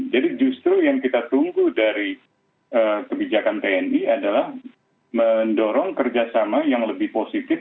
jadi justru yang kita tunggu dari kebijakan tni adalah mendorong kerjasama yang lebih positif